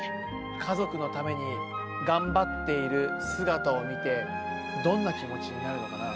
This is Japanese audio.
家族のために頑張っている姿を見て、どんな気持ちになるのかな。